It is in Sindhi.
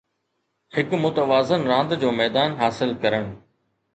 هڪ متوازن راند جو ميدان حاصل ڪرڻ